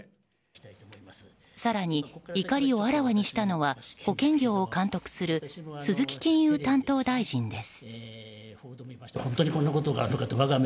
更に、怒りをあらわにしたのは保険業を監督する鈴木金融担当大臣です。